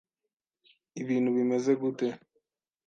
Ibintu bimeze gute?